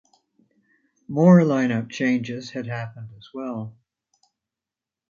More lineup changes had happened as well.